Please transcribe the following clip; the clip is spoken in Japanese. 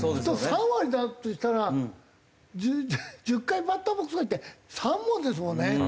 ３割だとしたら１０回バッターボックス入って３本ですもんね。